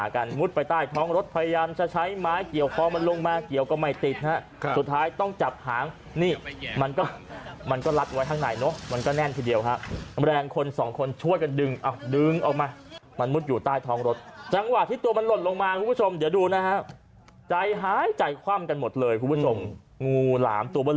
กันมุดไปใต้ท้องรถพยายามจะใช้ไม้เกี่ยวคอมันลงมาเกี่ยวก็ไม่ติดฮะสุดท้ายต้องจับหางนี่มันก็มันก็ลัดไว้ข้างในเนอะมันก็แน่นทีเดียวฮะแรงคนสองคนช่วยกันดึงเอาดึงออกมามันมุดอยู่ใต้ท้องรถจังหวะที่ตัวมันหล่นลงมาคุณผู้ชมเดี๋ยวดูนะฮะใจหายใจคว่ำกันหมดเลยคุณผู้ชมงูหลามตัวบน